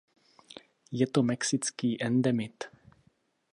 Je to mexický endemit.